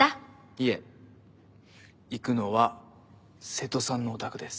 いえ行くのは瀬戸さんのお宅です。